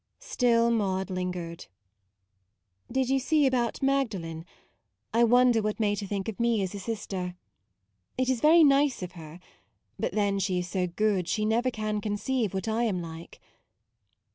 Still Maude lingered. " Did you see about Magdalen ? 86 MAUDE I wonder what made her think of me as a sister. It is very nice of her; but then she is so good she never can conceive what I am like.